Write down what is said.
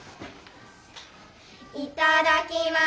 いただきます。